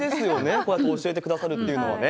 こうやって教えてくださるっていうのはね。